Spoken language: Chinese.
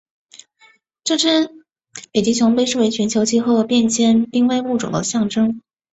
这只北极熊被视为全球气候变迁濒危物种的象征。